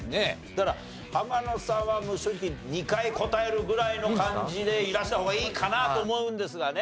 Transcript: だから浜野さんは正直２回答えるぐらいの感じでいらした方がいいかなと思うんですがね。